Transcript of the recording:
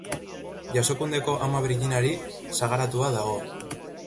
Jasokundeko Ama Birjinari sagaratua dago.